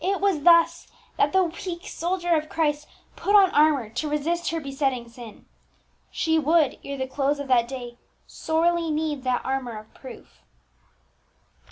It was thus that the weak soldier of Christ put on armour to resist her besetting sin. She would, ere the close of that day, sorely need that armour of proof.